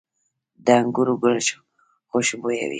د انګورو ګل خوشبويه وي؟